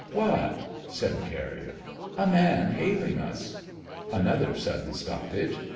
'What?' said the carrier. 'A man hailing us!' Another sudden stoppage.